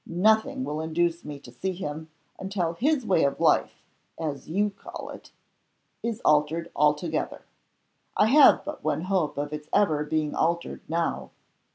Nothing will induce me to see him, until his way of life (as you call it) is altered altogether. I have but one hope of its ever being altered now.